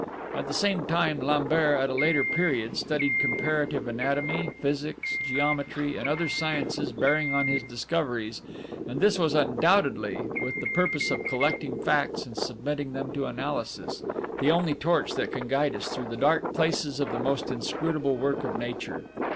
At the same time, Lambert, at a later period, studied comparative anatomy, physics, geometry, and other sciences bearing on his discoveries, and this was undoubtedly with the purpose of collecting facts and submitting them to analysis the only torch that can guide us through the dark places of the most inscrutable work of nature.